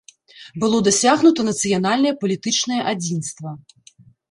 Было дасягнута нацыянальнае палітычнае адзінства.